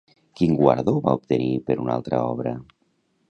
Quin guardó va obtenir per una altra obra?